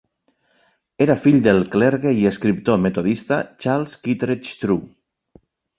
Era fill del clergue i escriptor metodista Charles Kittredge True.